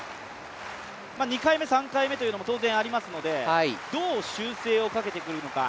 ２回目、３回目というのも当然ありますので、どう修正をかけてくるのか。